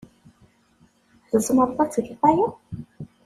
Tzemreḍ ad tgeḍ aya?